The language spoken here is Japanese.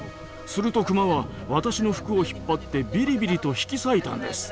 するとクマは私の服を引っ張ってビリビリと引き裂いたんです。